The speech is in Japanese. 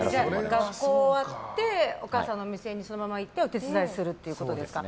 学校終わってお母さんの店にそのまま行ってお手伝いするっていうことですか。